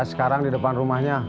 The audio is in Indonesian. sekarang di depan rumahnya